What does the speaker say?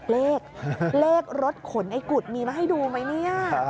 เลขเลขรถขนไอ้กุดมีมาให้ดูไหมเนี่ย